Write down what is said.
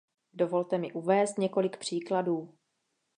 Dovolte mi uvést několik příkladů.